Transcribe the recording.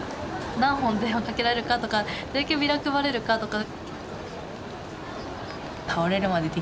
何本電話かけられるかとかどれだけビラ配れるかとか。